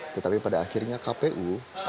tetapi pada akhirnya kpu